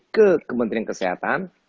ke kementerian kesehatan